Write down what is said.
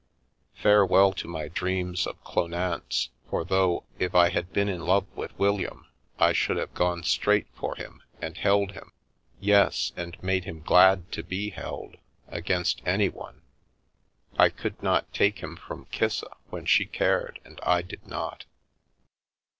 Farewell to my dreams of Clownance, for though, if I had been in love with William, I should have gone straight for him and held him — yes, and made him glad to be held — against anyone, I could not take him from Kissa when she cared and I did not.